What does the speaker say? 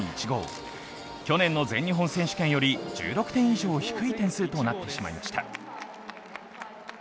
去年の全日本選手権より１６点以上低い点数となってしまいました。